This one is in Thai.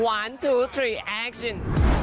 ๑๒๓แอคชั่น